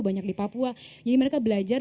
banyak di papua jadi mereka belajar